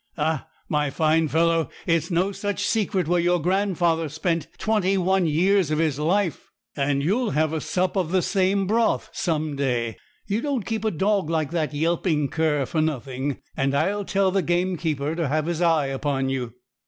Ah, my fine fellow, it's no such secret where your grandfather spent twenty one years of his life; and you'll have a sup of the same broth some day. You don't keep a dog like that yelping cur for nothing; and I'll tell the gamekeeper to have his eye upon you.'